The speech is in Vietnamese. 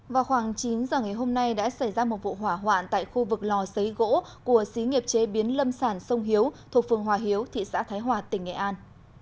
vào khoảng chín giờ ngày hôm nay đã xảy ra một vụ hỏa hoạn tại khu vực lò xấy gỗ của xí nghiệp chế biến lâm sản sông hiếu thuộc phường hòa hiếu thị xã thái hòa tỉnh nghệ an